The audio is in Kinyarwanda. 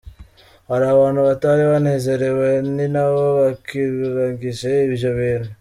Hari abantu batari banezererewe, ni na bo bakwiragije ivyo bintu.